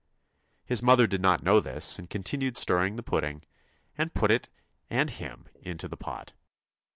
His mother did not know this and continued stirring the pudding, and put it and him into the pot.